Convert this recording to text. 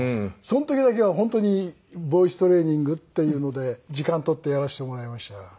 その時だけは本当にボイストレーニングっていうので時間取ってやらせてもらいました。